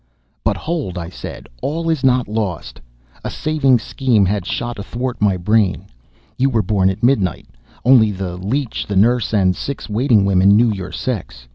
"'But hold,' I said, 'all is not lost.' A saving scheme had shot athwart my brain. You were born at midnight. Only the leech, the nurse, and six waiting women knew your sex.